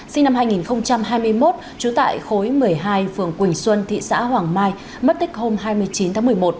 sinh năm hai nghìn hai mươi một trú tại khối một mươi hai phường quỳnh xuân thị xã hoàng mai mất tích hôm hai mươi chín tháng một mươi một